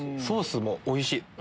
ソースもおいしい。